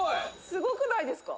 「すごくないですか？」